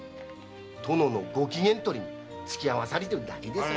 殿のご機嫌取りにつき合わされてるだけです。